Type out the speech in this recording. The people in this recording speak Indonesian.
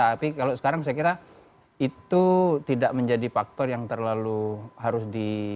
tapi kalau sekarang saya kira itu tidak menjadi faktor yang terlalu harus di